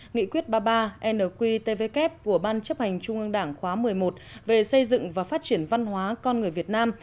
nghị quyết ba mươi ba nqtvk của ban chấp hành trung ương đảng khóa một mươi một về xây dựng và phát triển văn hóa con người việt nam